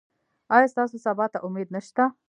ایا ستاسو سبا ته امید نشته؟